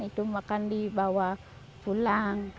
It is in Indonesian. itu akan dibawa pulang